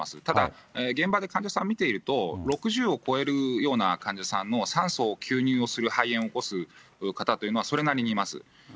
ただ、現場で患者さんを診ていると、６０を超えるような患者さん、酸素吸入をする肺炎を起こす方というのは、それなりにいます。